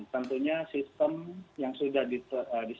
tentunya sistem yang sudah disetujui oleh otoritas